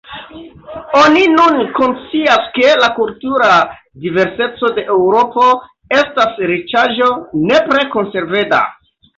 Oni nun konscias, ke la kultura diverseco de Eŭropo estas riĉaĵo nepre konservenda.